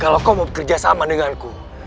kalau kau mau bekerja sama denganku